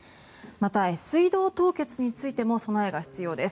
また水道凍結についても備えが必要です。